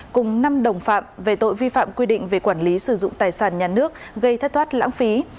cùng năm đồng phạm về tội vi phạm quy định về quản lý sử dụng tài sản nhà nước gây thất thoát lãng phí